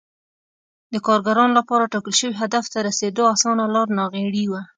د کارګرانو لپاره ټاکل شوي هدف ته رسېدو اسانه لار ناغېړي وه